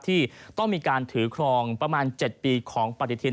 ที่ต้องมีการถือครองประมาณ๗ปีของปฏิทิน